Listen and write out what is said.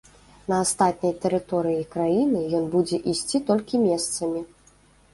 На астатняй тэрыторыі краіны ён будзе ісці толькі месцамі.